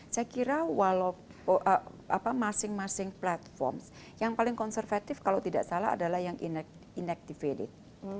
saya kira masing masing platform yang paling konservatif kalau tidak salah adalah yang inactivated